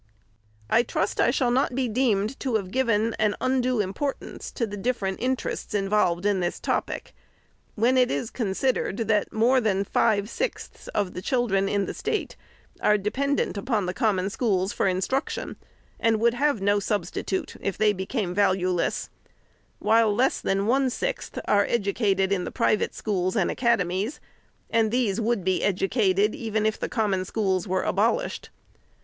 I trust I shall not be deemed to have given an undue importance to the different interests involved in this topic, when it is considered, that more th&n five sixths of the chil dren in the State are dependent upon the Common Schools for instruction, and would have no substitute if they be came valueless ; while less than one sixth are educated in the private schools and academies, and these would be educated, even if the Common Schools were abolished.